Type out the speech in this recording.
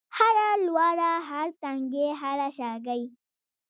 هره لوړه، هر تنګی هره شاګۍ